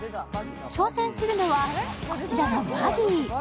挑戦するのは、こちらのバギー。